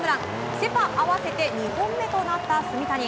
セ・パ合わせて２本目となった炭谷。